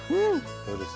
どうです？